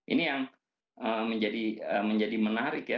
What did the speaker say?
ini yang menjadi menarik